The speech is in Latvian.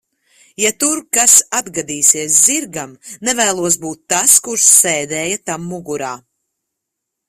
Ja tur kas atgadīsies zirgam, nevēlos būt tas, kurš sēdēja tam mugurā.